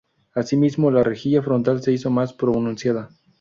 Así mismo, la rejilla frontal se hizo más pronunciada.